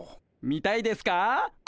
見たいですか？